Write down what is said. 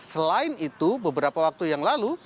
selain itu beberapa waktu yang lalu